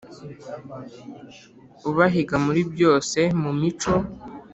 ubahiga muri byose mu mico